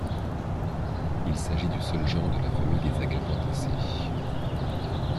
Il s'agit du seul genre de la famille des Agapanthacées.